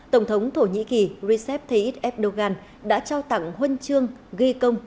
tổng thống thổ nhĩ kỳ recep tayyip erdogan đã trao tặng huân chương ghi công